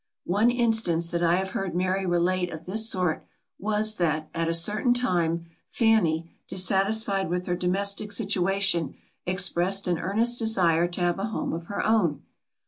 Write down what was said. One instance that I have heard Mary relate of this sort, was, that, at a certain time, Fanny, dissatisfied with her domestic situation, expressed an earnest desire to have a home of her own.